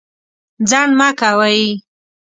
ځنډ مه کوئ.